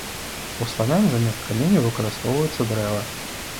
У славян замест каменю выкарыстоўваецца дрэва.